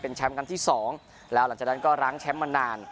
แชมป์ครั้งที่สองแล้วหลังจากนั้นก็ร้างแชมป์มานาน